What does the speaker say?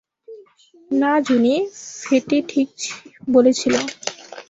না জুনি, ফেটি ঠিক বলেছিল।